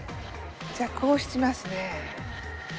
じゃあこうしますね。